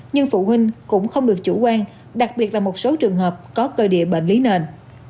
nhưng phụ huynh cũng không được chủ quan đặc biệt là một số trường hợp có cơ địa bệnh lý nền